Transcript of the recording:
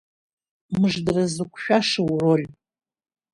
Мыждара зықәшәаша уроль.